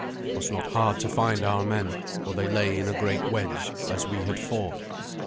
It was not hard to find our men, for they lay in a great wedge as we had fought.